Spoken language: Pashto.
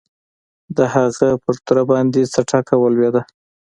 د هغه په تره باندې څه ټکه ولوېده؟